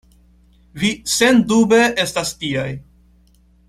Vi sendube estas tiaj.